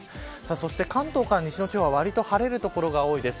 そして関東から西の地方はわりと晴れる所が多いです。